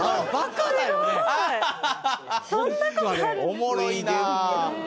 おもろいな。